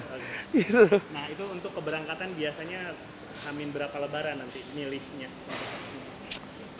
oke itu untuk keberangkatan biasanya hamin berapa lebaran nanti milihnya